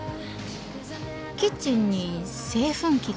キッチンに製粉機が。